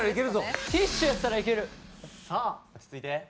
落ち着いて。